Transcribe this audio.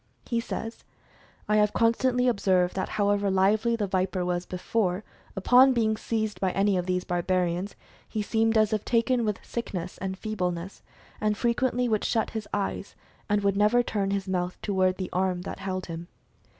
He says, "I have constantly ob served that however lively the viper was before, upon being seized by any of these barbarians, he seemed as if taken with sickness and feebleness, and frequently would shut his eyes, and would never turn his mouth toward the arm that held him."